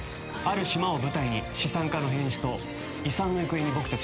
ある島を舞台に資産家の変死と遺産の行方に僕たちが挑みます。